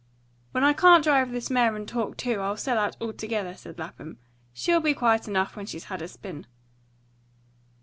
"When I can't drive this mare and talk too, I'll sell out altogether," said Lapham. "She'll be quiet enough when she's had her spin."